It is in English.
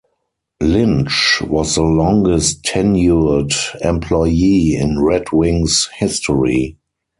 Lynch was the longest-tenured employee in Red Wings history.